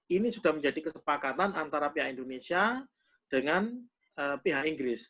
ini sudah menjadi kesepakatan antara pihak indonesia dengan pihak inggris